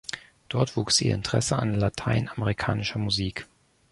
Dort wuchs ihr Interesse an latein-amerikanischer Musik.